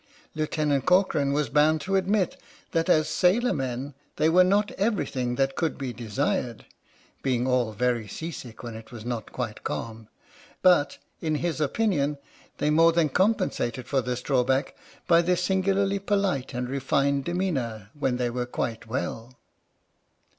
Lieu tenant Corcoran was bound to admit that as sailor men they were not everything that could be desired, (being all very sea sick when it was not quite calm), but, in his opinion, they more than compensated for this drawback by their singularly polite and refined demeanour when they were quite well.